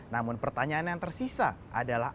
namun pertanyaan yang tersisa adalah